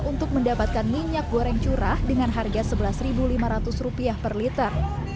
untuk mendapatkan minyak goreng curah dengan harga rp sebelas lima ratus per liter